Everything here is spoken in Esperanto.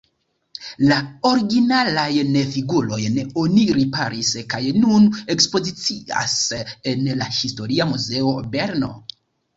La originalajn figurojn oni riparis kaj nun ekspozicias en la historia muzeo Berno.